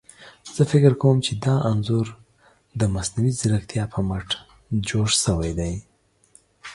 زه فکر کوم چي دا انځور ده مصنوعي ځيرکتيا په مټ جوړ شوي دي.